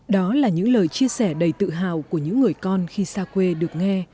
đó là những lời chia sẻ đầy tự hào của những người con khi xa quê được nghe